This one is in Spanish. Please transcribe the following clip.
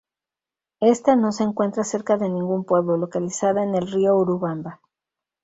Ésta no se encuentra cerca de ningún pueblo, localizada en el río Urubamba.